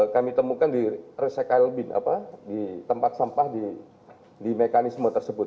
kami temukan di resekal bin di tempat sampah di mekanisme tersebut